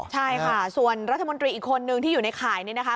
ใช่ค่ะส่วนรัฐมนตรีอีกคนนึงที่อยู่ในข่ายนี่นะคะ